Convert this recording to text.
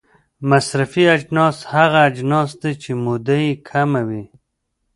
مصرفي اجناس هغه اجناس دي چې موده یې کمه وي.